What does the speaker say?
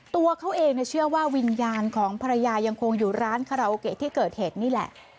ตัวเขาเองเนี่ยเชื่อว่าวิญญาณของภรรยายังคงอยู่ร้านที่เกิดเหตุนี่แหละ